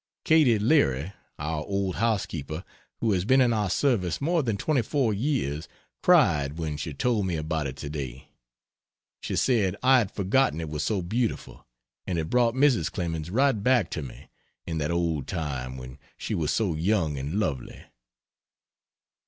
Katy Leary, our old housekeeper, who has been in our service more than 24 years, cried when she told me about it to day. She said "I had forgotten it was so beautiful, and it brought Mrs. Clemens right back to me in that old time when she was so young and lovely."